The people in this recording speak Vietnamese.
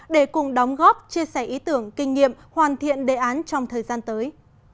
để cùng đóng góp chia sẻ ý tưởng kinh nghiệm hoàn thiện đề án trong thời gian tới